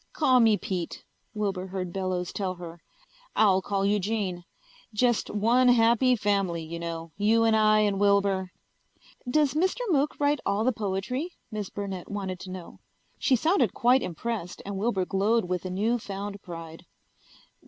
"Call me Pete," Wilbur heard Bellows tell her. "I'll call you Jean. Just one happy family, you know, you and I and Wilbur." "Does Mr. Mook write all the poetry?" Miss Burnett wanted to know. She sounded quite impressed and Wilbur glowed with a new found pride.